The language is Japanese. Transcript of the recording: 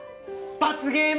罰ゲーム！